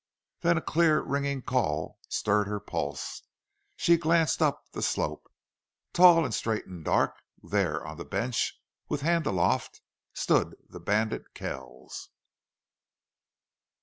Then a clear, ringing call stirred her pulse. She glanced up the slope. Tall and straight and dark, there on the bench, with hand aloft, stood the bandit Kells.